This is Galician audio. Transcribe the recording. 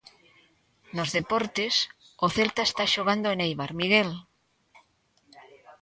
Nos deportes, o Celta está xogando en Eibar, Miguel.